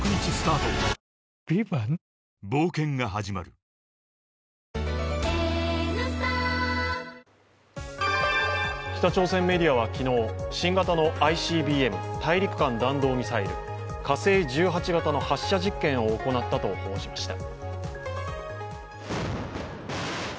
ヒューマンヘルスケアのエーザイ北朝鮮メディアは昨日、新型のＩＣＢＭ、大陸間弾道ミサイル、火星１８型の発射実験を行ったと報じました。